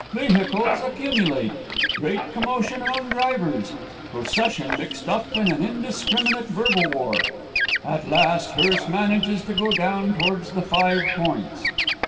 "Vehicles accumulate. Great commotion among drivers. Procession mixed up in an indiscriminate verbal war. At last hearse manages to go down towards the Five Points.